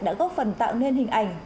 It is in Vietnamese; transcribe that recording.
đã góp phần tạo nên hình ảnh